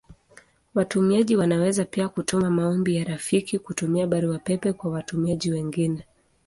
Watumiaji wanaweza pia kutuma maombi ya rafiki kutumia Barua pepe kwa watumiaji wengine.